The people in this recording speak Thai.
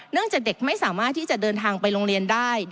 จากเด็กไม่สามารถที่จะเดินทางไปโรงเรียนได้